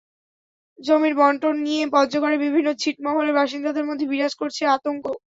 জমির বণ্টন নিয়ে পঞ্চগড়ের বিভিন্ন ছিটমহলের বাসিন্দাদের মধ্যে বিরাজ করছে আতঙ্ক।